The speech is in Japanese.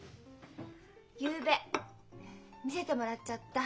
ゆうべ見せてもらっちゃった。